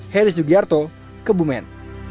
heri sugiarto kebumen